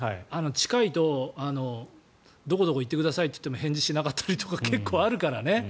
近いとどこどこに行ってくださいと言っても返事をしなかったりとか結構あるからね。